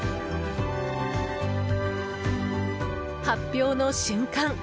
発表の瞬間